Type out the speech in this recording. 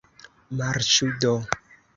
Marŝu do!